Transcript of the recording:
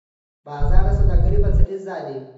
بازار د سوداګرۍ بنسټیز ځای دی.